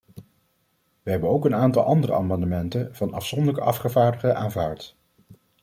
We hebben ook een aantal andere amendementen van afzonderlijke afgevaardigden aanvaard.